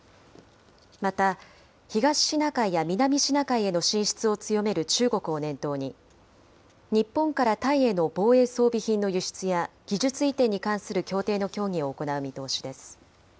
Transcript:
また、東シナ海や南シナ海への進出を強める中国を念頭に、日本からタイへの防衛装備品の輸出や技術移転に関する協定の協議を行う見通しです。